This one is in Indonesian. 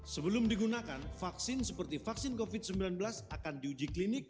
sebelum digunakan vaksin seperti vaksin covid sembilan belas akan diuji klinik